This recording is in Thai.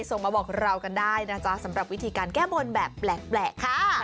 ส่งมาบอกเรากันได้นะจ๊ะสำหรับวิธีการแก้บนแบบแปลกค่ะ